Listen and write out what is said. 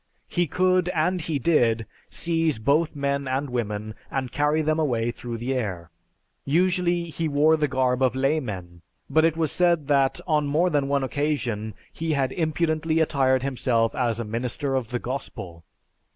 He could, and he did, seize both men and women and carry them away through the air. Usually he wore the garb of laymen, but it was said that, on more than one occasion, he had impudently attired himself as a minister of the Gospel.